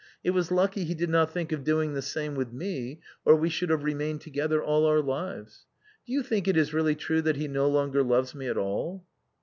" It was lucky he did not think of doing the same with me, or we should have remained together all our lives. Do you think it is really true that he no longer loves me at all